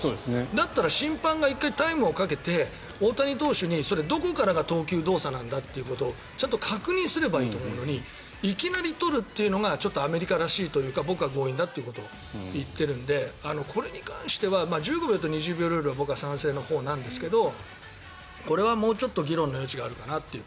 だったら審判が１回タイムをかけて大谷投手にどこからが投球動作なんだということをちゃんと確認すればいいと思うのにいきなり取るというのがちょっとアメリカらしいというか僕は強引だということを言ってるのでこれに関しては１５秒と２０秒ルールは僕は賛成のほうなんだけどこれはもうちょっと議論の余地があるかなという。